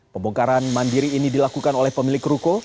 pembongkaran mandiri ini dilakukan oleh pemilik ruko